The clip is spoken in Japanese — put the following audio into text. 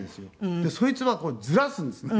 でそいつはずらすんですね。